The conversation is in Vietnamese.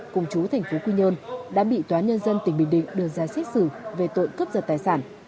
cùng chú thành phố quy nhơn đã bị tòa nhân dân tỉnh bình định đưa ra xét xử về tội cướp giật tài sản